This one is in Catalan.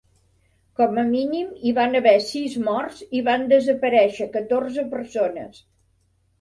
Com a mínim hi van haver sis morts i van desaparèixer catorze persones.